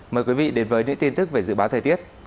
mời quý vị đến với những tin tức về dự báo thời tiết